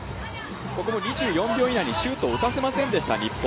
２４秒以内にシュートを打たせませんでした、日本。